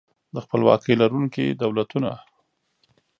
د خپلواکۍ لرونکي دولتونه